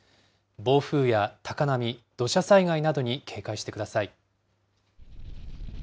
暴風や高波、土砂災害などに警戒してください。